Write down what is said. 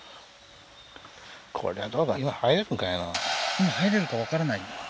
今入れるかわからない？